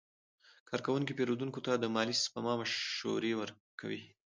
کارکوونکي پیرودونکو ته د مالي سپما مشورې ورکوي.